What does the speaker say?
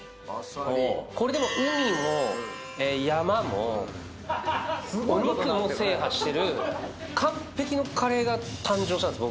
これで海も山もお肉も制覇してる完璧のカレーが誕生したんです